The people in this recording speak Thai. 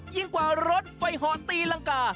ยิ่งกว่ารถไฟหอดตีล่างกา